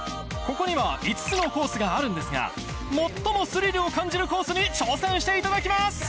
ここには５つのコースがあるんですが最もスリルを感じるコースに挑戦していただきます